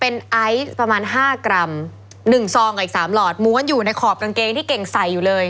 ไซส์ประมาณ๕กรัม๑ซองกับอีก๓หลอดม้วนอยู่ในขอบกางเกงที่เก่งใส่อยู่เลย